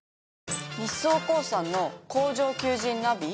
日総工産の工場求人ナビ？